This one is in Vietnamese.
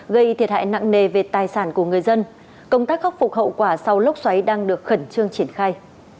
gây thiệt hại nặng nề về tài sản của người dân công tác khắc phục hậu quả sau lốc xoáy đang được khẩn trương triển khai